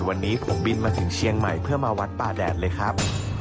วันนี้ผมบินมาถึงเชียงใหม่เพื่อมาวัดป่าแดดเลยครับ